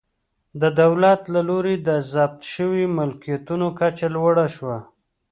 د دولت له لوري د ضبط شویو ملکیتونو کچه لوړه شوه.